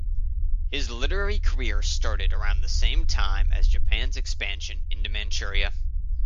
His literary career started around the same time as Japan's expansion into Manchuria.